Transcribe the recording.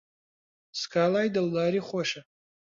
سکاڵای دڵداری خۆشە